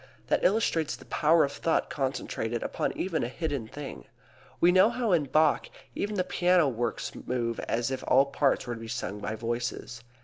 That illustrates the power of thought concentrated upon even a hidden thing. You know how in Bach even the piano works move as if all parts were to be sung by voices.